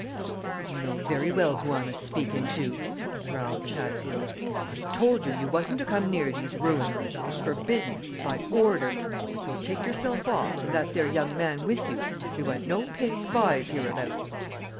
"You know very well who I'm a speaking to," growled Chatfield. "I told you you wasn't to come near these ruins it's forbidden, by order. You'll take yourself off, and that there young man with you we want no paid spies hereabouts!"